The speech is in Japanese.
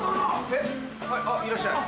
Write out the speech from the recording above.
えっはいいらっしゃい。